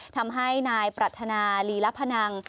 ทำให้นายปรัฐนาลีลพนัง